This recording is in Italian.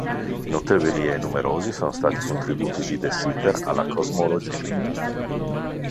Notevoli e numerosi sono stati i contributi di de Sitter alla cosmologia.